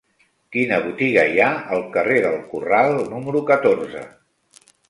Quina botiga hi ha al carrer del Corral número catorze?